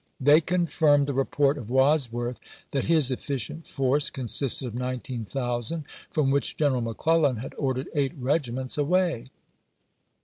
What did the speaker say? They confirmed the report of Wadsworth that his efficient force consisted of 19,000, from which General McClellan had ordered eight regi ments away.